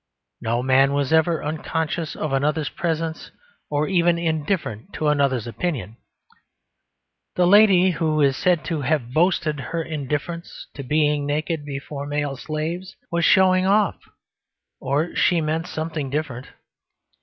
No man was ever unconscious of another's presence or even indifferent to another's opinion. The lady who is said to have boasted her indifference to being naked before male slaves was showing off or she meant something different.